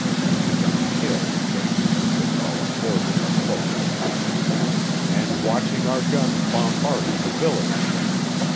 (which is on a hill what you people call a forward slope, I believe), and watching our guns bombarding the village.